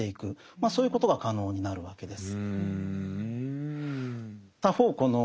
そういうことが可能になるわけです。